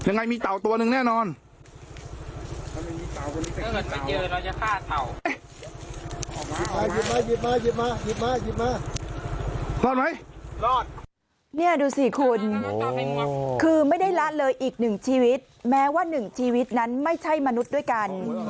นี่ดูสิคุณคือไม่ได้ล้านเลยอีกหนึ่งชีวิตแม้ว่าหนึ่งชีวิตนั้นไม่ใช่มนุษย์ด้วยกัน